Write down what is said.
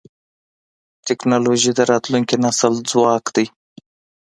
ټکنالوجي د راتلونکي نسل ځواک دی.